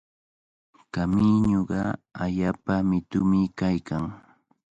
Kamiñuqa allaapa mitumi kaykan.